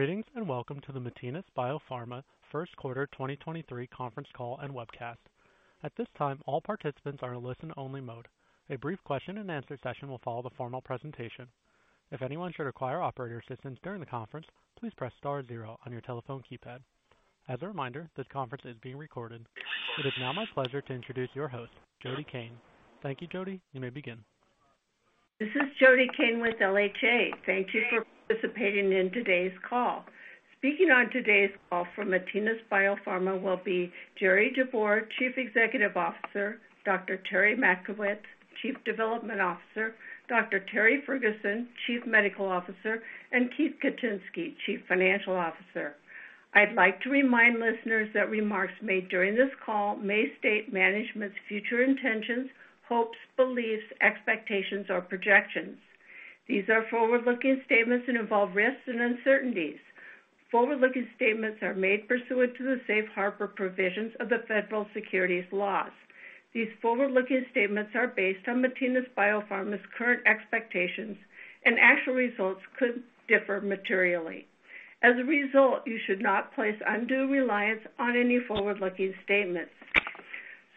Greetings, welcome to the Matinas BioPharma first quarter 2023 conference call and webcast. At this time, all participants are in listen-only mode. A brief question and answer session will follow the formal presentation. If anyone should require operator assistance during the conference, please press star 0 on your telephone keypad. As a reminder, this conference is being recorded. It is now my pleasure to introduce your host, Jody Cain. Thank you, Jody. You may begin. This is Jody Cain with LHA. Thank you for participating in today's call. Speaking on today's call from Matinas BioPharma will be Jerry Jabbour, Chief Executive Officer, Dr. Terry Matkovits, Chief Development Officer, Dr. Terry Ferguson, Chief Medical Officer, and Keith Kosinski, Chief Financial Officer. I'd like to remind listeners that remarks made during this call may state management's future intentions, hopes, beliefs, expectations, or projections. These are forward-looking statements. Involve risks and uncertainties. Forward-looking statements are made pursuant to the safe harbor provisions of the Federal Securities laws. These forward-looking statements are based on Matinas BioPharma's current expectations and actual results could differ materially. As a result, you should not place undue reliance on any forward-looking statements.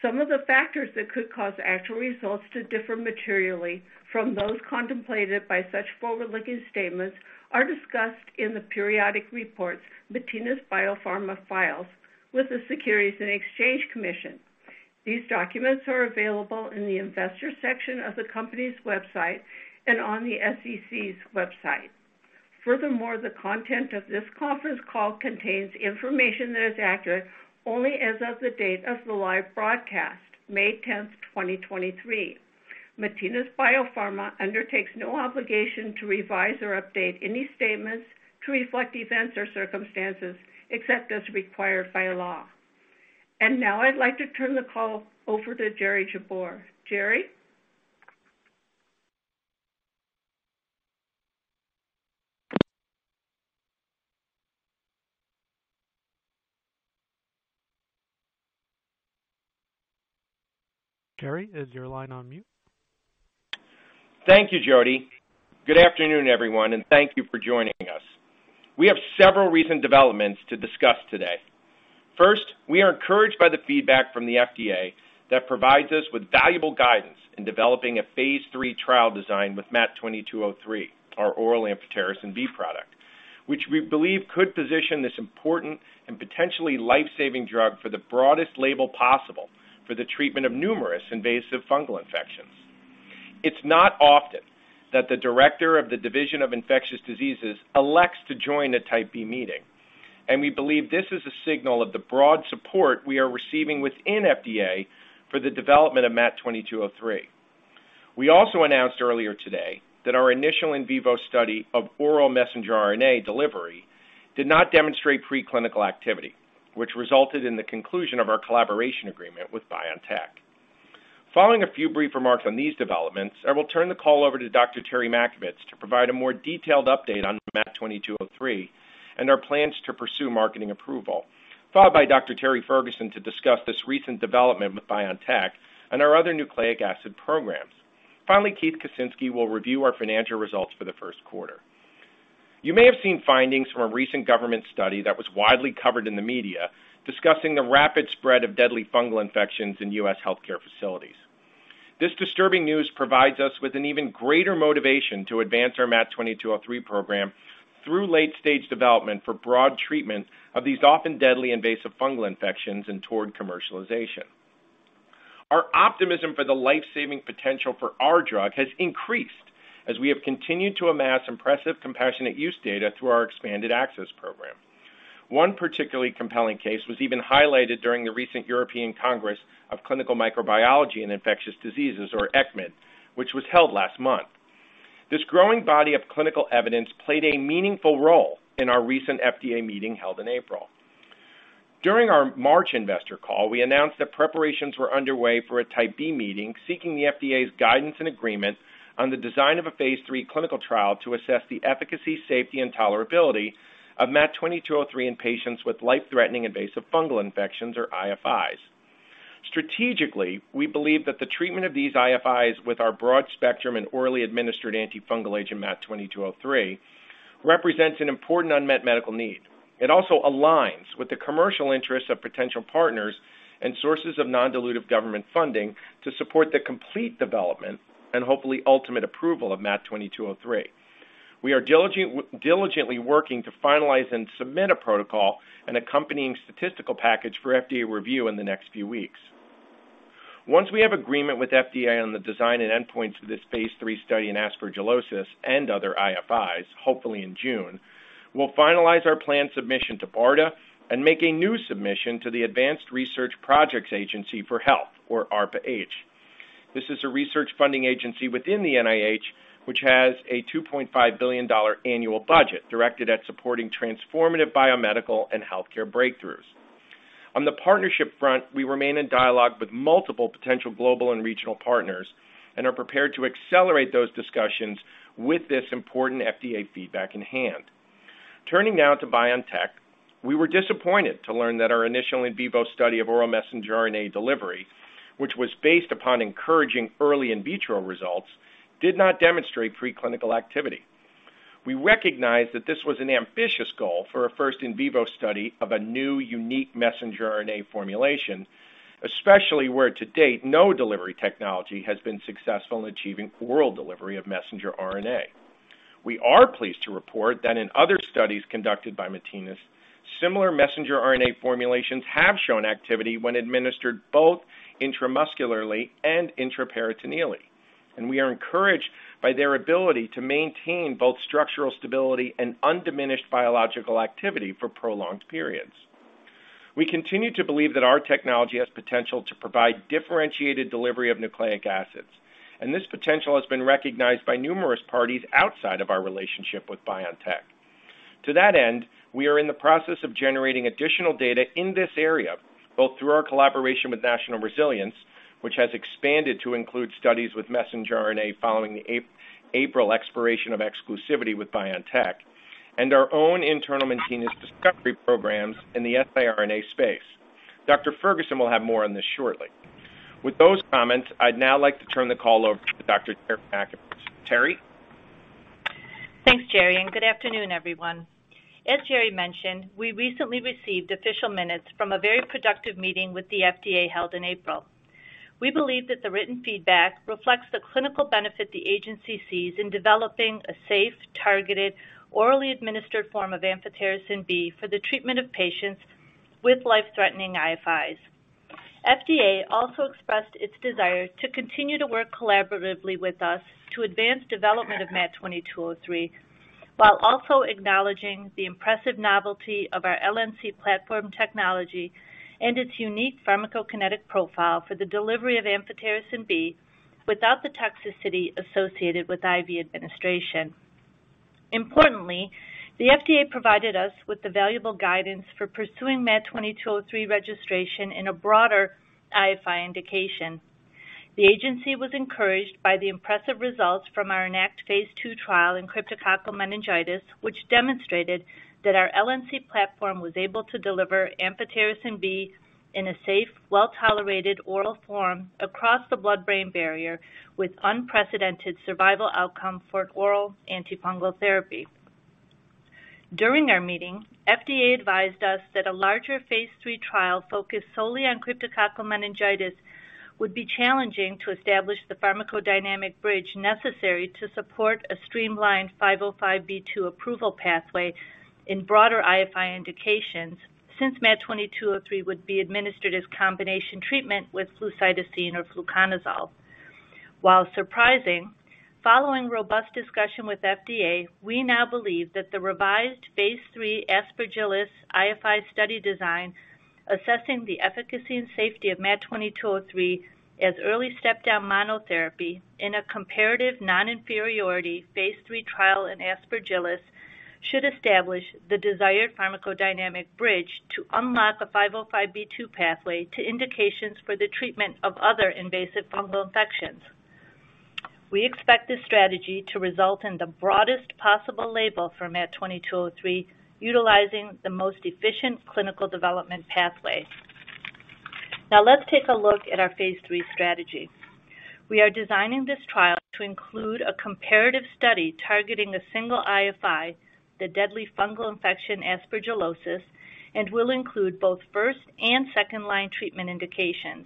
Some of the factors that could cause actual results to differ materially from those contemplated by such forward-looking statements are discussed in the periodic reports Matinas BioPharma files with the Securities and Exchange Commission. These documents are available in the investor section of the company's website and on the SEC's website. Furthermore, the content of this conference call contains information that is accurate only as of the date of the live broadcast, May 10, 2023. Matinas BioPharma undertakes no obligation to revise or update any statements to reflect events or circumstances except as required by law. Now I'd like to turn the call over to Jerry Jabbour. Jerry? Jerry, is your line on mute? Thank you, Jody. Good afternoon, everyone, and thank you for joining us. We have several recent developments to discuss today. First, we are encouraged by the feedback from the FDA that provides us with valuable guidance in developing a phase 3 trial design with MAT2203, our oral amphotericin B product, which we believe could position this important and potentially life-saving drug for the broadest label possible for the treatment of numerous invasive fungal infections. It's not often that the director of the Division of Infectious Diseases elects to join a Type B meeting, and we believe this is a signal of the broad support we are receiving within FDA for the development of MAT2203. We also announced earlier today that our initial in vivo study of oral messenger RNA delivery did not demonstrate preclinical activity, which resulted in the conclusion of our collaboration agreement with BioNTech. Following a few brief remarks on these developments, I will turn the call over to Dr. Terry Matkovits to provide a more detailed update on MAT2203 and our plans to pursue marketing approval, followed by Dr. Terry Ferguson to discuss this recent development with BioNTech and our other nucleic acid programs. Keith Kosinski will review our financial results for the first quarter. You may have seen findings from a recent government study that was widely covered in the media discussing the rapid spread of deadly fungal infections in U.S. healthcare facilities. This disturbing news provides us with an even greater motivation to advance our MAT2203 program through late stage development for broad treatment of these often deadly invasive fungal infections and toward commercialization. Our optimism for the life-saving potential for our drug has increased as we have continued to amass impressive compassionate use data through our expanded access program. One particularly compelling case was even highlighted during the recent European Congress of Clinical Microbiology and Infectious Diseases, or ECCMID, which was held last month. This growing body of clinical evidence played a meaningful role in our recent FDA meeting held in April. During our March investor call, we announced that preparations were underway for a Type B meeting seeking the FDA's guidance and agreement on the design of a phase 3 clinical trial to assess the efficacy, safety, and tolerability of MAT2203 in patients with life-threatening invasive fungal infections, or IFIs. Strategically, we believe that the treatment of these IFIs with our broad spectrum and orally administered antifungal agent, MAT2203, represents an important unmet medical need. It also aligns with the commercial interests of potential partners and sources of non-dilutive government funding to support the complete development and hopefully ultimate approval of MAT2203. We are diligently working to finalize and submit a protocol and accompanying statistical package for FDA review in the next few weeks. Once we have agreement with FDA on the design and endpoints of this phase 3 study in aspergillosis and other IFIs, hopefully in June, we'll finalize our planned submission to BARDA and make a new submission to the Advanced Research Projects Agency for Health, or ARPA-H. This is a research funding agency within the NIH, which has a $2.5 billion annual budget directed at supporting transformative biomedical and healthcare breakthroughs. On the partnership front, we remain in dialogue with multiple potential global and regional partners and are prepared to accelerate those discussions with this important FDA feedback in hand. Turning now to BioNTech. We were disappointed to learn that our initial in vivo study of oral messenger RNA delivery, which was based upon encouraging early in vitro results, did not demonstrate preclinical activity. We recognize that this was an ambitious goal for a first in vivo study of a new unique messenger RNA formulation, especially where to date no delivery technology has been successful in achieving oral delivery of messenger RNA. We are pleased to report that in other studies conducted by Matinas, similar messenger RNA formulations have shown activity when administered both intramuscularly and intraperitoneally, and we are encouraged by their ability to maintain both structural stability and undiminished biological activity for prolonged periods. We continue to believe that our technology has potential to provide differentiated delivery of nucleic acids, and this potential has been recognized by numerous parties outside of our relationship with BioNTech. To that end, we are in the process of generating additional data in this area, both through our collaboration with National Resilience, which has expanded to include studies with Messenger RNA following the April expiration of exclusivity with BioNTech, and our own internal Matinas discovery programs in the siRNA space. Dr. Ferguson will have more on this shortly. With those comments, I'd now like to turn the call over to Dr. Matkovits. Terry? Thanks, Jerry, and good afternoon, everyone. As Jerry mentioned, we recently received official minutes from a very productive meeting with the FDA held in April. We believe that the written feedback reflects the clinical benefit the agency sees in developing a safe, targeted, orally administered form of amphotericin B for the treatment of patients with life-threatening IFIs. FDA also expressed its desire to continue to work collaboratively with us to advance development of MAT2203, while also acknowledging the impressive novelty of our LNC platform technology and its unique pharmacokinetic profile for the delivery of amphotericin B without the toxicity associated with IV administration. Importantly, the FDA provided us with the valuable guidance for pursuing MAT2203 registration in a broader IFI indication. The agency was encouraged by the impressive results from our EnACT phase 2 trial in cryptococcal meningitis, which demonstrated that our LNC platform was able to deliver amphotericin B in a safe, well-tolerated oral form across the blood-brain barrier with unprecedented survival outcome for oral antifungal therapy. During our meeting, FDA advised us that a larger phase III trial focused solely on cryptococcal meningitis would be challenging to establish the pharmacodynamic bridge necessary to support a streamlined 505(b)(2) approval pathway in broader IFI indications since MAT2203 would be administered as combination treatment with flucytosine or fluconazole. While surprising, following robust discussion with FDA, we now believe that the revised phase III Aspergillus IFI study design assessing the efficacy and safety of MAT2203 as early step-down monotherapy in a comparative non-inferiority phase III trial in Aspergillus should establish the desired pharmacodynamic bridge to unlock the 505(b)(2) pathway to indications for the treatment of other invasive fungal infections. We expect this strategy to result in the broadest possible label for MAT2203 utilizing the most efficient clinical development pathway. Let's take a look at our phase III strategy. We are designing this trial to include a comparative study targeting a single IFI, the deadly fungal infection aspergillosis, and will include both first and second-line treatment indications.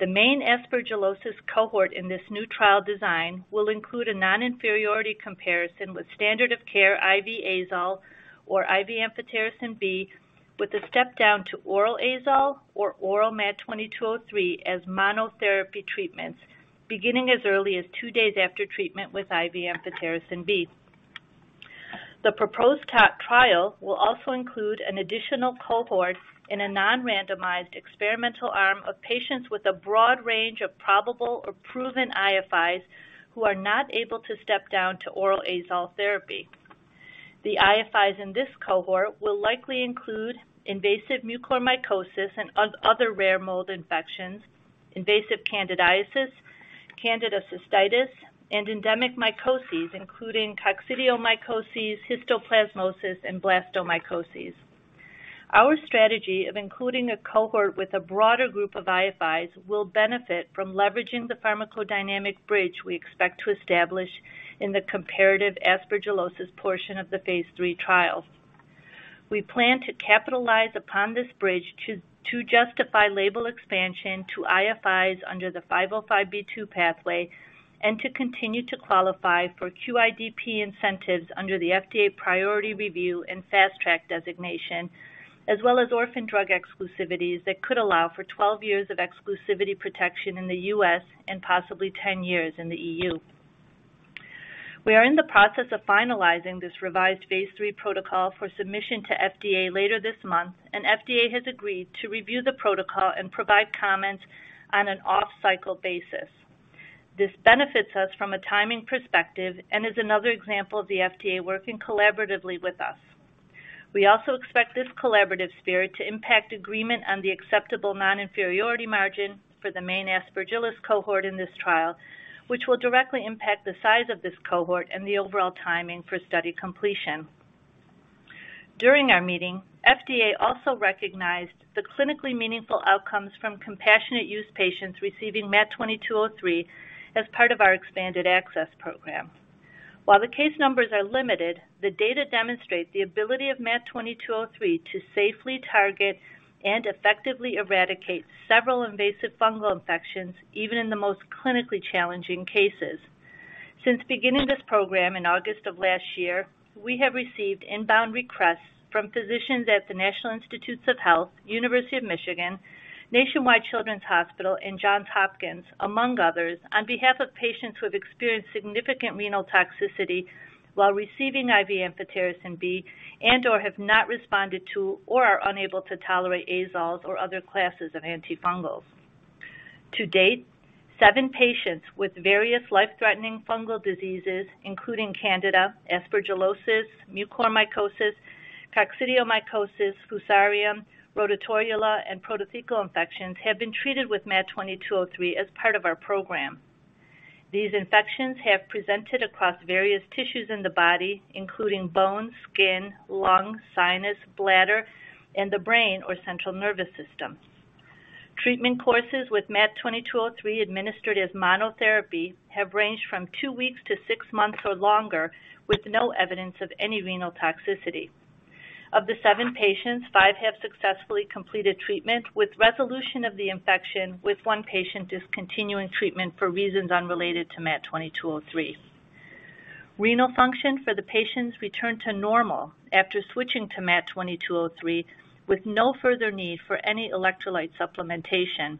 The main aspergillosis cohort in this new trial design will include a non-inferiority comparison with standard of care IV azole or IV amphotericin B with a step down to oral azole or oral MAT2203 as monotherapy treatments beginning as early as 2 days after treatment with IV amphotericin B. The proposed trial will also include an additional cohort in a non-randomized experimental arm of patients with a broad range of probable or proven IFIs who are not able to step down to oral azole therapy. The IFIs in this cohort will likely include invasive mucormycosis and other rare mold infections, invasive candidiasis, Candida cystitis, and endemic mycoses, including coccidioidomycosis, histoplasmosis, and blastomycosis. Our strategy of including a cohort with a broader group of IFIs will benefit from leveraging the pharmacodynamic bridge we expect to establish in the comparative aspergillosis portion of the phase III trial. We plan to capitalize upon this bridge to justify label expansion to IFIs under the 505(b)(2) pathway and to continue to qualify for QIDP incentives under the FDA Priority Review and Fast Track designation, as well as orphan drug exclusivities that could allow for 12 years of exclusivity protection in the U.S. and possibly 10 years in the E.U. We are in the process of finalizing this revised phase III protocol for submission to FDA later this month. FDA has agreed to review the protocol and provide comments on an off-cycle basis. This benefits us from a timing perspective and is another example of the FDA working collaboratively with us. We also expect this collaborative spirit to impact agreement on the acceptable non-inferiority margin for the main Aspergillus cohort in this trial. Which will directly impact the size of this cohort and the overall timing for study completion. During our meeting, FDA also recognized the clinically meaningful outcomes from compassionate use patients receiving MAT2203 as part of our expanded access program. While the case numbers are limited, the data demonstrates the ability of MAT2203 to safely target and effectively eradicate several invasive fungal infections, even in the most clinically challenging cases. Since beginning this program in August of last year, we have received inbound requests from physicians at the National Institutes of Health, University of Michigan, Nationwide Children's Hospital, and Johns Hopkins, among others, on behalf of patients who have experienced significant renal toxicity while receiving IV amphotericin B and/or have not responded to or are unable to tolerate azoles or other classes of antifungals. To date, seven patients with various life-threatening fungal diseases, including Candida, aspergillosis, mucormycosis, coccidioidomycosis, Fusarium, Rhodotorula, and protothecal infections, have been treated with MAT2203 as part of our program. These infections have presented across various tissues in the body, including bone, skin, lung, sinus, bladder, and the brain or central nervous system. Treatment courses with MAT2203 administered as monotherapy have ranged from two weeks to six months or longer with no evidence of any renal toxicity. Of the 7 patients, 5 have successfully completed treatment with resolution of the infection, with 1 patient discontinuing treatment for reasons unrelated to MAT2203. Renal function for the patients returned to normal after switching to MAT2203 with no further need for any electrolyte supplementation.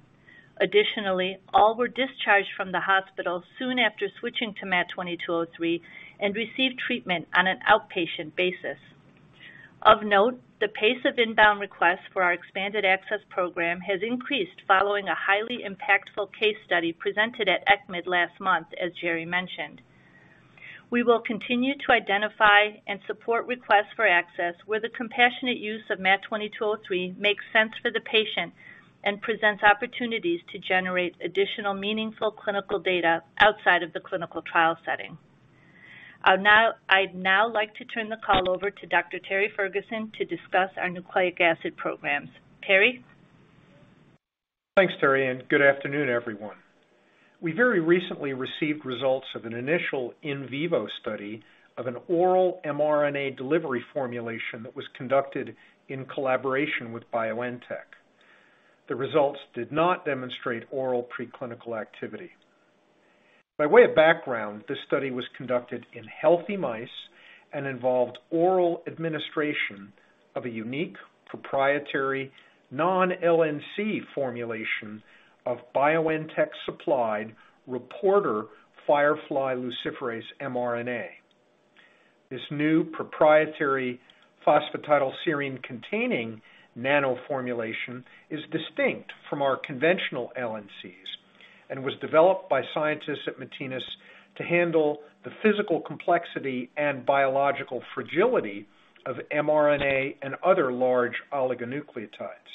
Additionally, all were discharged from the hospital soon after switching to MAT2203 and received treatment on an outpatient basis. Of note, the pace of inbound requests for our expanded access program has increased following a highly impactful case study presented at ECCMID last month, as Jerry mentioned. We will continue to identify and support requests for access where the compassionate use of MAT2203 makes sense for the patient and presents opportunities to generate additional meaningful clinical data outside of the clinical trial setting. I'd now like to turn the call over to Dr. Terry Ferguson to discuss our nucleic acid programs. Terry? Thanks, Terry. Good afternoon, everyone. We very recently received results of an initial in vivo study of an oral mRNA delivery formulation that was conducted in collaboration with BioNTech. The results did not demonstrate oral preclinical activity. By way of background, this study was conducted in healthy mice and involved oral administration of a unique proprietary non-LNC formulation of BioNTech-supplied reporter firefly luciferase mRNA. This new proprietary phosphatidylserine-containing nano formulation is distinct from our conventional LNCs and was developed by scientists at Matinas to handle the physical complexity and biological fragility of mRNA and other large oligonucleotides.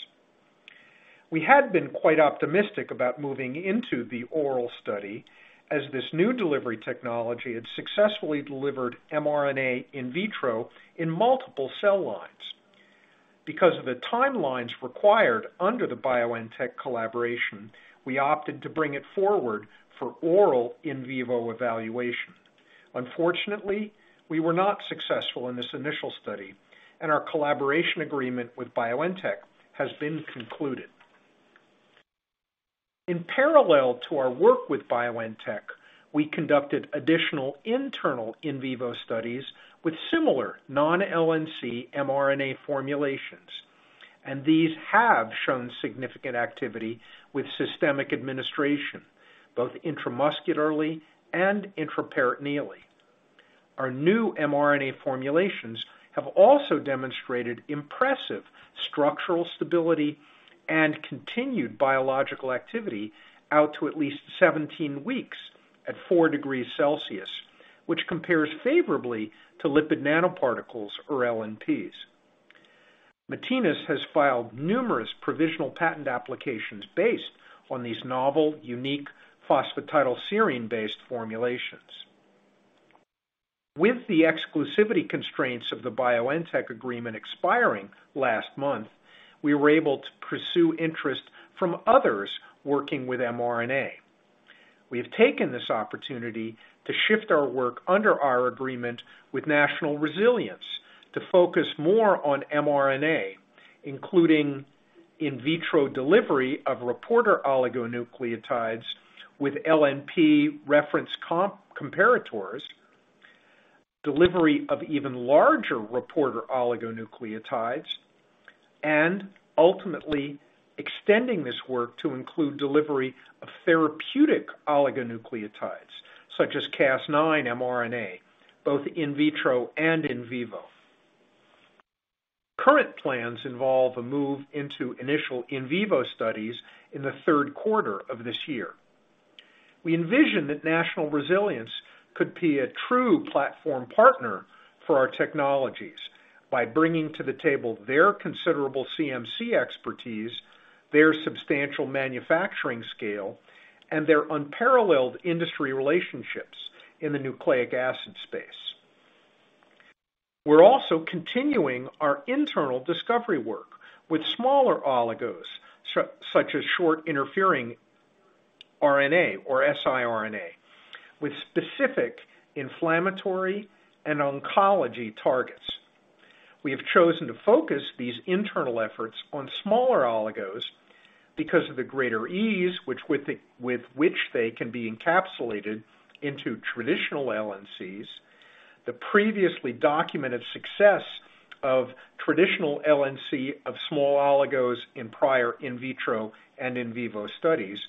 We had been quite optimistic about moving into the oral study, as this new delivery technology had successfully delivered mRNA in vitro in multiple cell lines. Because of the timelines required under the BioNTech collaboration, we opted to bring it forward for oral in vivo evaluation. Unfortunately, we were not successful in this initial study, and our collaboration agreement with BioNTech has been concluded. In parallel to our work with BioNTech, we conducted additional internal in vivo studies with similar non-LNC mRNA formulations, and these have shown significant activity with systemic administration, both intramuscularly and intraperitoneally. Our new mRNA formulations have also demonstrated impressive structural stability and continued biological activity out to at least 17 weeks at 4 degrees Celsius, which compares favorably to lipid nanoparticles or LNPs. Matinas has filed numerous provisional patent applications based on these novel, unique phosphatidylserine-based formulations. With the exclusivity constraints of the BioNTech agreement expiring last month, we were able to pursue interest from others working with mRNA. We have taken this opportunity to shift our work under our agreement with National Resilience to focus more on mRNA, including in vitro delivery of reporter oligonucleotides with LNP reference comparators, delivery of even larger reporter oligonucleotides, ultimately extending this work to include delivery of therapeutic oligonucleotides, such as Cas9 mRNA, both in vitro and in vivo. Current plans involve a move into initial in vivo studies in the third quarter of this year. We envision that National Resilience could be a true platform partner for our technologies. By bringing to the table their considerable CMC expertise, their substantial manufacturing scale, and their unparalleled industry relationships in the nucleic acid space. We're also continuing our internal discovery work with smaller oligos, such as short interfering RNA or siRNA, with specific inflammatory and oncology targets. We have chosen to focus these internal efforts on smaller oligos because of the greater ease with which they can be encapsulated into traditional LNCs, the previously documented success of traditional LNC of small oligos in prior in vitro and in vivo studies,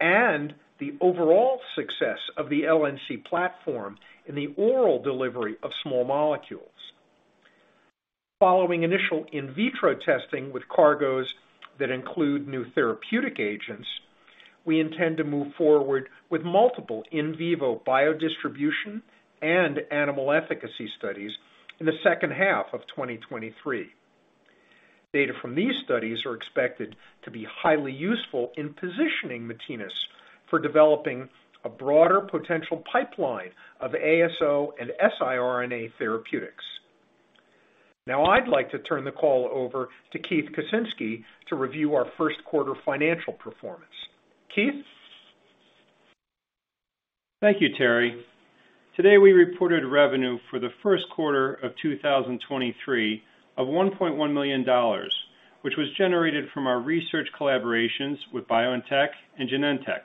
and the overall success of the LNC platform in the oral delivery of small molecules. Following initial in vitro testing with cargos that include new therapeutic agents, we intend to move forward with multiple in vivo biodistribution and animal efficacy studies in the second half of 2023. Data from these studies are expected to be highly useful in positioning Matinas for developing a broader potential pipeline of ASO and siRNA therapeutics. Now, I'd like to turn the call over to Keith Kosinski to review our first quarter financial performance. Keith? Thank you, Terry. Today, we reported revenue for the first quarter of 2023 of $1.1 million, which was generated from our research collaborations with BioNTech and Genentech.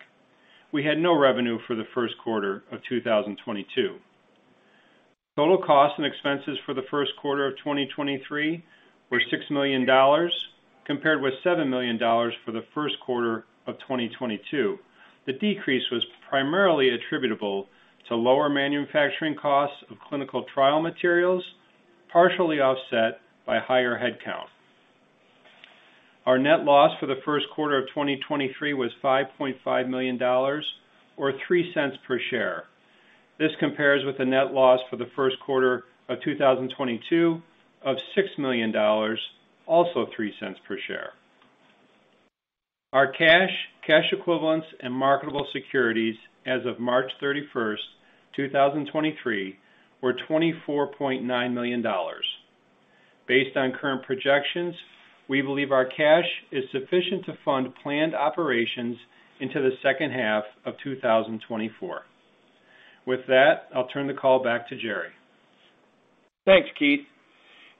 We had no revenue for the first quarter of 2022. Total costs and expenses for the first quarter of 2023 were $6 million, compared with $7 million for the first quarter of 2022. The decrease was primarily attributable to lower manufacturing costs of clinical trial materials, partially offset by higher headcount. Our net loss for the first quarter of 2023 was $5.5 million or $0.03 per share. This compares with the net loss for the first quarter of 2022 of $6 million, also $0.03 per share. Our cash equivalents, and marketable securities as of March 31st, 2023, were $24.9 million. Based on current projections, we believe our cash is sufficient to fund planned operations into the second half of 2024. With that, I'll turn the call back to Jerry. Thanks, Keith.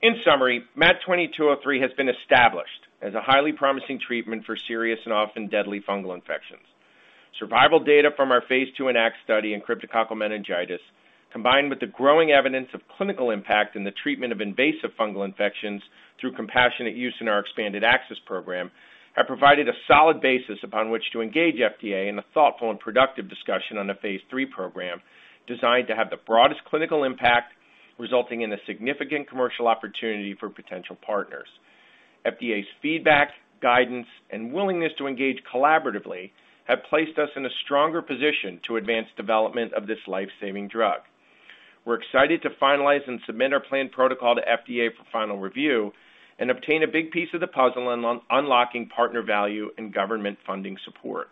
In summary, MAT2203 has been established as a highly promising treatment for serious and often deadly fungal infections. Survival data from our Phase 2 EnACT study in cryptococcal meningitis, combined with the growing evidence of clinical impact in the treatment of invasive fungal infections through compassionate use in our expanded access program, have provided a solid basis upon which to engage FDA in a thoughtful and productive discussion on a phase three program designed to have the broadest clinical impact, resulting in a significant commercial opportunity for potential partners. FDA's feedback, guidance, and willingness to engage collaboratively have placed us in a stronger position to advance development of this life-saving drug. We're excited to finalize and submit our planned protocol to FDA for final review and obtain a big piece of the puzzle in unlocking partner value and government funding support.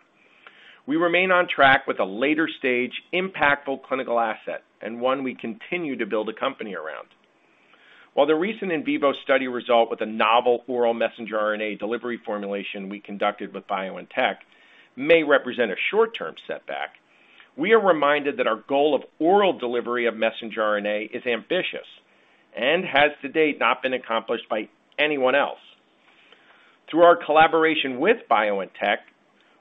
We remain on track with a later-stage impactful clinical asset and one we continue to build a company around. While the recent in vivo study result with a novel oral Messenger RNA delivery formulation we conducted with BioNTech may represent a short-term setback, we are reminded that our goal of oral delivery of Messenger RNA is ambitious and has to date not been accomplished by anyone else. Through our collaboration with BioNTech,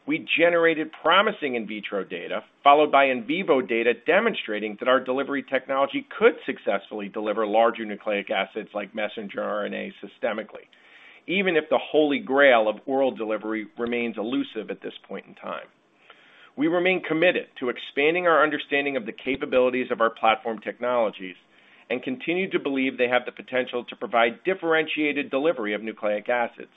we generated promising in vitro data followed by in vivo data demonstrating that our delivery technology could successfully deliver larger nucleic acids like Messenger RNA systemically, even if the holy grail of oral delivery remains elusive at this point in time. We remain committed to expanding our understanding of the capabilities of our platform technologies and continue to believe they have the potential to provide differentiated delivery of nucleic acids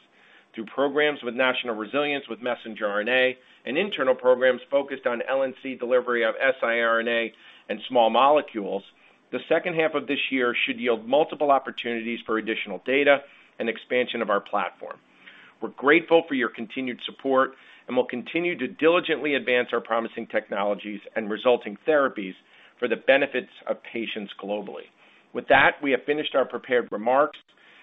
through programs with National Resilience with Messenger RNA and internal programs focused on LNC delivery of siRNA and small molecules. The second half of this year should yield multiple opportunities for additional data and expansion of our platform. We're grateful for your continued support, and we'll continue to diligently advance our promising technologies and resulting therapies for the benefits of patients globally. With that, we have finished our prepared remarks,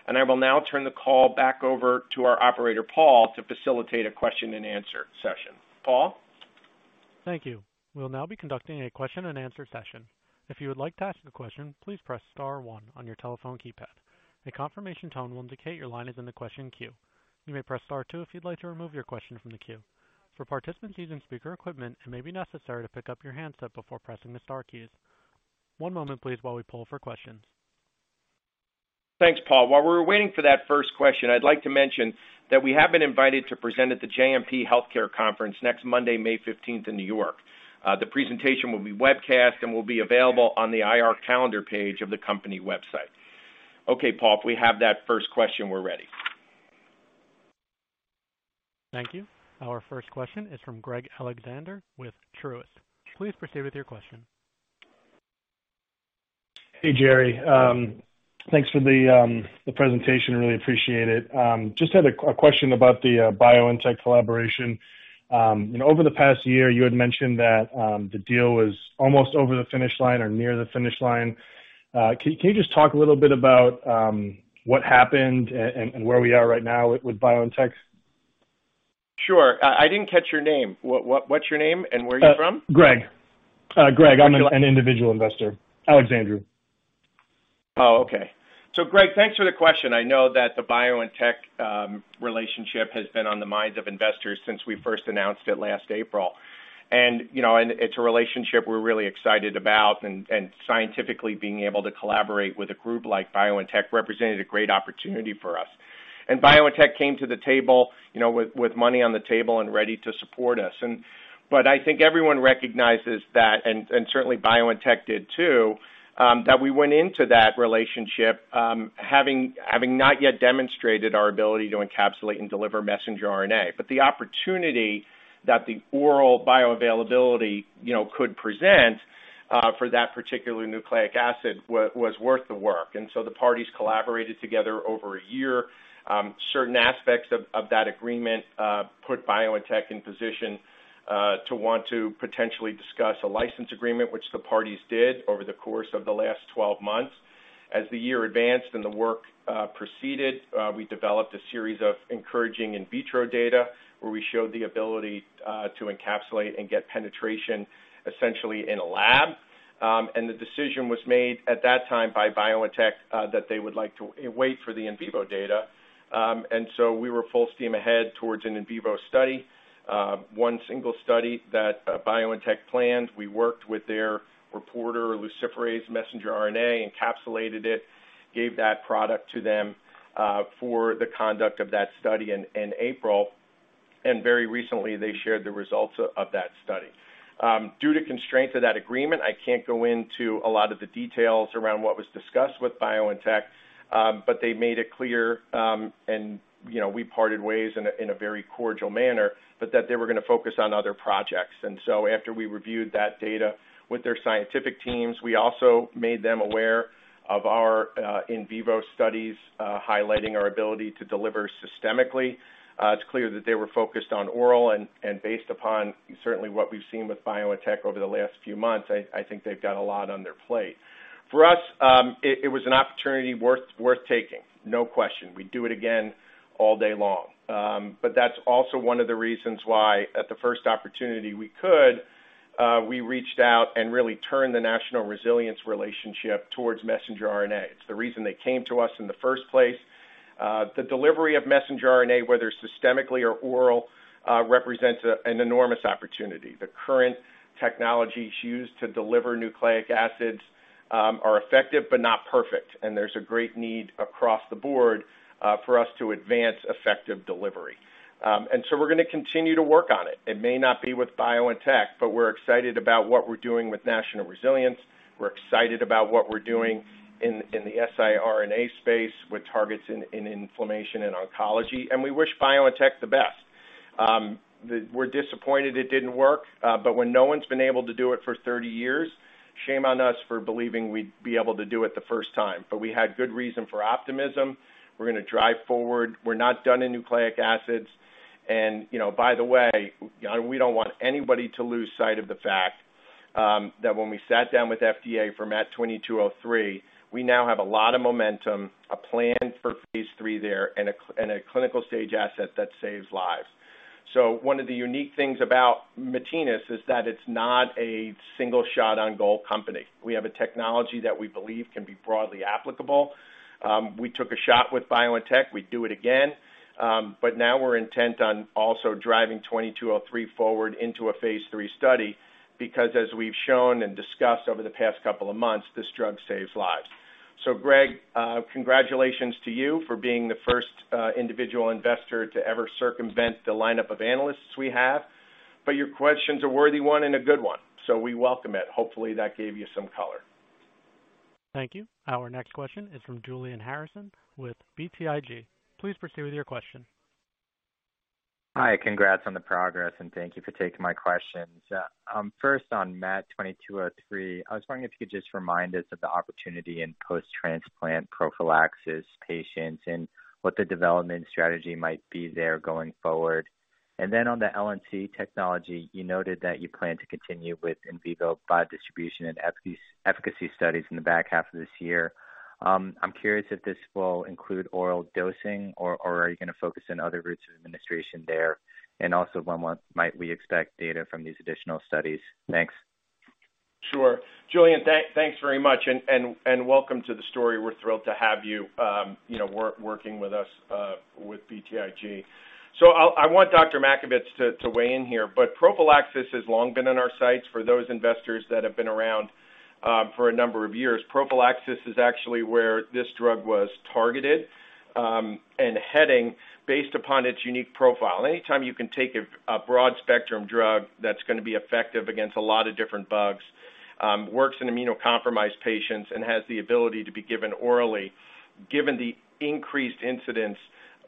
and I will now turn the call back over to our operator, Paul, to facilitate a question-and-answer session. Paul? Thank you. We'll now be conducting a question-and-answer session. If you would like to ask a question, please press star one on your telephone keypad. A confirmation tone will indicate your line is in the question queue. You may press Star two if you'd like to remove your question from the queue. For participants using speaker equipment, it may be necessary to pick up your handset before pressing the star keys. One moment, please, while we pull for questions. Thanks, Paul. While we're waiting for that first question, I'd like to mention that we have been invited to present at the JMP Healthcare Conference next Monday, May 15th, in New York. The presentation will be webcast and will be available on the IR calendar page of the company website. Okay, Paul, if we have that first question, we're ready. Thank you. Our first question is from Greg Alexander with Truist. Please proceed with your question. Hey, Jerry. Thanks for the presentation. Really appreciate it. Just had a question about the BioNTech collaboration. Over the past year, you had mentioned that the deal was almost over the finish line or near the finish line. Can you just talk a little bit about what happened and where we are right now with BioNTech? Sure. I didn't catch your name. What's your name and where are you from? Greg. How would you like- I'm an individual investor. Alexander. Okay. Greg, thanks for the question. I know that the BioNTech relationship has been on the minds of investors since we first announced it last April. You know, and it's a relationship we're really excited about and scientifically being able to collaborate with a group like BioNTech represented a great opportunity for us. BioNTech came to the table, you know, with money on the table and ready to support us. But I think everyone recognizes that, and certainly BioNTech did too, that we went into that relationship having not yet demonstrated our ability to encapsulate and deliver messenger RNA. But the opportunity that the oral bioavailability, you know, could present for that particular nucleic acid was worth the work. The parties collaborated together over a year. Certain aspects of that agreement, put BioNTech in position to want to potentially discuss a license agreement, which the parties did over the course of the last 12 months. As the year advanced and the work proceeded, we developed a series of encouraging in vitro data, where we showed the ability to encapsulate and get penetration essentially in a lab. The decision was made at that time by BioNTech that they would like to wait for the in vivo data. We were full steam ahead towards an in vivo study. One single study that BioNTech planned. We worked with their reporter, luciferase messenger RNA, encapsulated it, gave that product to them for the conduct of that study in April. Very recently, they shared the results of that study. Due to constraints of that agreement, I can't go into a lot of the details around what was discussed with BioNTech. They made it clear, and, you know, we parted ways in a very cordial manner, but that they were going to focus on other projects. After we reviewed that data with their scientific teams, we also made them aware of our in vivo studies, highlighting our ability to deliver systemically. It's clear that they were focused on oral and, based upon certainly what we've seen with BioNTech over the last few months, I think they've got a lot on their plate. For us, it was an opportunity worth taking. No question. We'd do it again all day long. That's also one of the reasons why at the first opportunity we could, we reached out and really turned the National Resilience relationship towards messenger RNA. It's the reason they came to us in the first place. The delivery of messenger RNA, whether systemically or oral, represents an enormous opportunity. The current technologies used to deliver nucleic acids, are effective but not perfect, and there's a great need across the board, for us to advance effective delivery. We're gonna continue to work on it. It may not be with BioNTech, but we're excited about what we're doing with National Resilience. We're excited about what we're doing in the siRNA space with targets in inflammation and oncology, and we wish BioNTech the best. We're disappointed it didn't work, but when no one's been able to do it for 30 years, shame on us for believing we'd be able to do it the first time. We had good reason for optimism. We're gonna drive forward. We're not done in nucleic acids. You know, by the way, we don't want anybody to lose sight of the fact that when we sat down with FDA for MAT2203, we now have a lot of momentum, a plan for phase 3 there, and a clinical stage asset that saves lives. One of the unique things about Matinas is that it's not a single shot on goal company. We have a technology that we believe can be broadly applicable. We took a shot with BioNTech. We'd do it again. Now we're intent on also driving MAT2203 forward into a phase 3 study because as we've shown and discussed over the past couple of months, this drug saves lives. Greg, congratulations to you for being the first individual investor to ever circumvent the lineup of analysts we have. Your question's a worthy one and a good one, so we welcome it. Hopefully, that gave you some color. Thank you. Our next question is from Julian Harrison with BTIG. Please proceed with your question. Hi. Congrats on the progress, thank you for taking my questions. First on MAT2203, I was wondering if you could just remind us of the opportunity in post-transplant prophylaxis patients and what the development strategy might be there going forward. Then on the LNC technology, you noted that you plan to continue with in vivo biodistribution and efficacy studies in the back half of this year. I'm curious if this will include oral dosing or are you gonna focus on other routes of administration there? Also, when we might we expect data from these additional studies? Thanks. Sure. Julian, thanks very much and welcome to the story. We're thrilled to have you know, working with us with BTIG. I want Dr. Matkovits to weigh in here, but prophylaxis has long been in our sights. For those investors that have been around for a number of years, prophylaxis is actually where this drug was targeted and heading based upon its unique profile. Anytime you can take a broad-spectrum drug that's gonna be effective against a lot of different bugs, works in immunocompromised patients and has the ability to be given orally. Given the increased incidence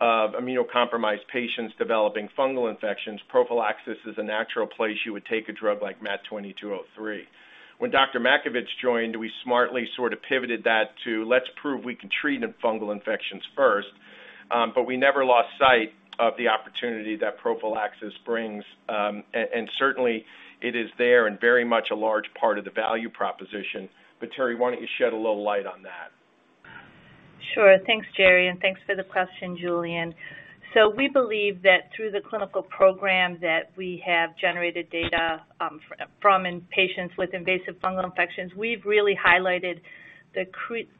of immunocompromised patients developing fungal infections, prophylaxis is a natural place you would take a drug like MAT2203. When Dr. Matkovits joined, we smartly sort of pivoted that to let's prove we can treat the fungal infections first. We never lost sight of the opportunity that prophylaxis brings, and certainly it is there and very much a large part of the value proposition. Terry, why don't you shed a little light on that? Sure. Thanks, Jerry, and thanks for the question, Julian. We believe that through the clinical program that we have generated data, from in patients with invasive fungal infections, we've really highlighted the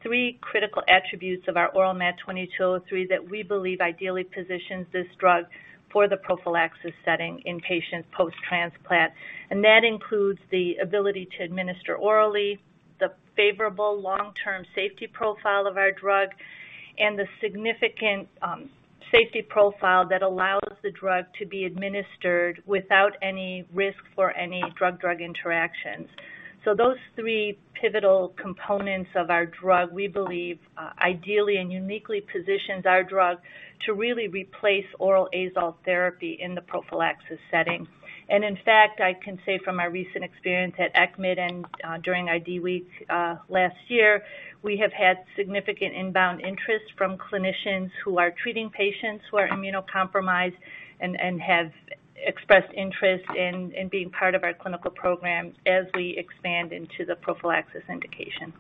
three critical attributes of our oral MAT2203 that we believe ideally positions this drug for the prophylaxis setting in patients post-transplant. That includes the ability to administer orally, the favorable long-term safety profile of our drug, and the significant safety profile that allows the drug to be administered without any risk for any drug-drug interactions. Those three pivotal components of our drug, we believe, ideally and uniquely positions our drug to really replace oral azole therapy in the prophylaxis setting. In fact, I can say from our recent experience at ECCMID and during IDWeek last year, we have had significant inbound interest from clinicians who are treating patients who are immunocompromised and have expressed interest in being part of our clinical program as we expand into the prophylaxis indication.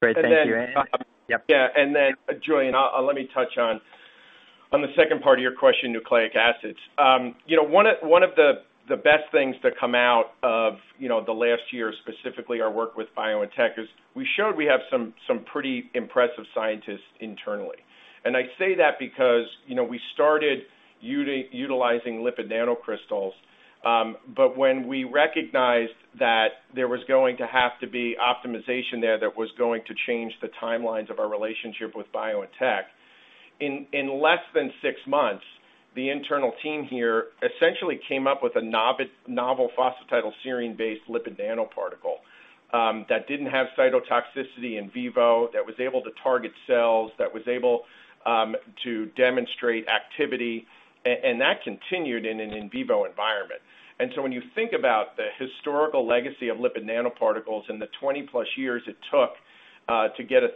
Great. Thank you. And then, um- Yep. Yeah. Then, Julian, let me touch on the second part of your question, nucleic acids. You know, one of the best things to come out of, you know, the last year, specifically our work with BioNTech, is we showed we have some pretty impressive scientists internally. I say that because, you know, we started utilizing lipid nanocrystals. When we recognized that there was going to have to be optimization there that was going to change the timelines of our relationship with BioNTech, in less than six months, the internal team here essentially came up with a novel phosphatidylserine-based lipid nanoparticle, that didn't have cytotoxicity in vivo, that was able to target cells, that was able to demonstrate activity, and that continued in an in vivo environment. When you think about the historical legacy of lipid nanoparticles and the 20+ years it took to get a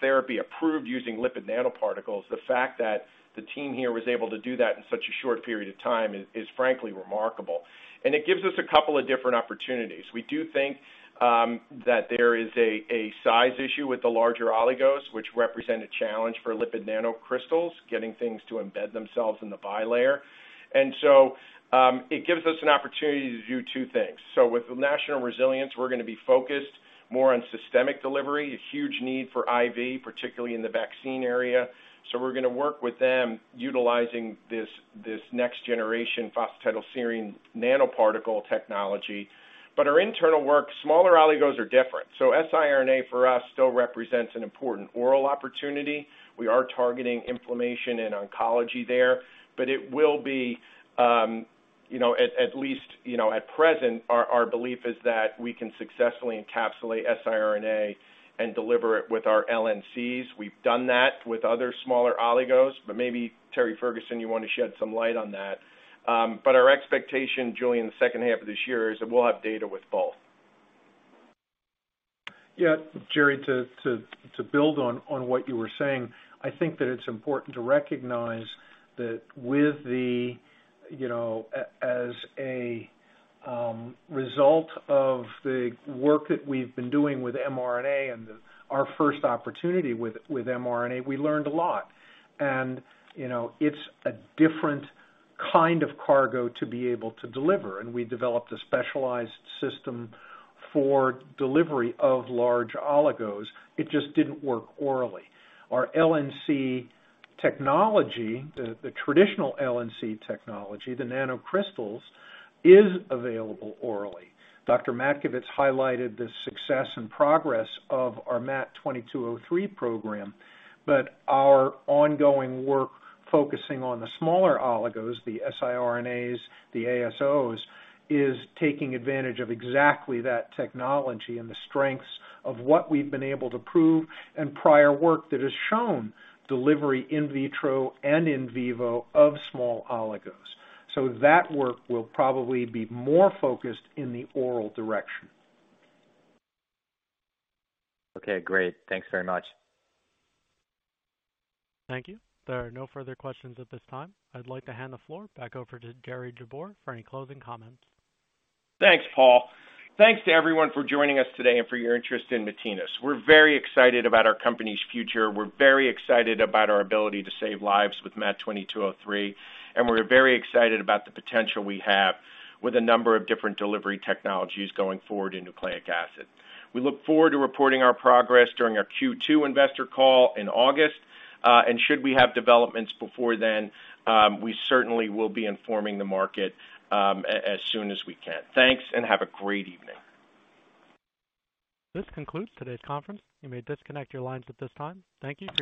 therapy approved using lipid nanoparticles, the fact that the team here was able to do that in such a short period of time is frankly remarkable. It gives us a couple of different opportunities. We do think that there is a size issue with the larger oligos, which represent a challenge for lipid nanocrystals, getting things to embed themselves in the bilayer. It gives us an opportunity to do two things. With National Resilience, we're gonna be focused more on systemic delivery, a huge need for IV, particularly in the vaccine area. We're gonna work with them utilizing this next generation phosphatidylserine nanoparticle technology. Our internal work, smaller oligos are different. siRNA for us still represents an important oral opportunity. We are targeting inflammation in oncology there, but it will be, you know, at least, you know, at present, our belief is that we can successfully encapsulate siRNA and deliver it with our LNCs. We've done that with other smaller oligos, but maybe Terry Ferguson, you wanna shed some light on that. Our expectation, Julian, the second half of this year is that we'll have data with both. Yeah, Jerry, to build on what you were saying, I think that it's important to recognize that with the, you know, as a result of the work that we've been doing with mRNA and our first opportunity with mRNA, we learned a lot. You know, it's a different kind of cargo to be able to deliver, and we developed a specialized system for delivery of large oligos. It just didn't work orally. Our LNC technology, the traditional LNC technology, the nanocrystals, is available orally. Dr. Matkovits highlighted the success and progress of our MAT2203 program. Our ongoing work focusing on the smaller oligos, the siRNAs, the ASOs, is taking advantage of exactly that technology and the strengths of what we've been able to prove and prior work that has shown delivery in vitro and in vivo of small oligos. That work will probably be more focused in the oral direction. Okay, great. Thanks very much. Thank you. There are no further questions at this time. I'd like to hand the floor back over to Jerry Jabbour for any closing comments. Thanks, Paul. Thanks to everyone for joining us today and for your interest in Matinas. We're very excited about our company's future. We're very excited about our ability to save lives with MAT2203, and we're very excited about the potential we have with a number of different delivery technologies going forward in nucleic acid. We look forward to reporting our progress during our Q2 investor call in August. Should we have developments before then, we certainly will be informing the market as soon as we can. Thanks, and have a great evening. This concludes today's conference. You may disconnect your lines at this time. Thank you for your participation.